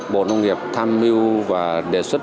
bộ nông nghiệp tham mưu và đề xuất